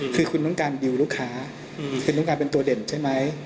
คือคุณต้องการดิวลูกค้าคุณต้องการเป็นตัวเด่นใช่ไหม